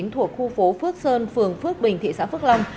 thuộc khu phố phước sơn phường phước bình thị xã phước long